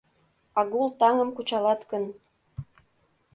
Агул таҥым кучалат гын